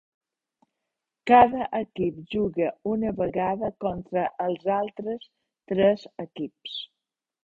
Cada equip juga una vegada contra els altres tres equips.